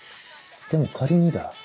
でも仮にだ。